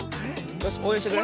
よしおうえんしてくれ。